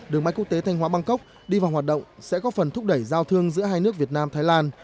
đường bay quốc tế thanh hóa bằng cốc đi vào hoạt động sẽ có phần thúc đẩy giao thương giữa hai nước việt nam thái lan